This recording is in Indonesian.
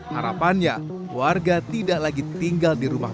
harapannya warga tidak lagi tinggal di rumah